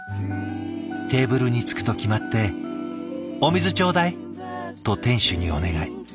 テーブルにつくと決まって「お水頂戴！」と店主にお願い。